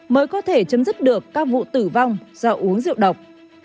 mới có thể chấm dứt được các vụ tử vong do uống rượu độc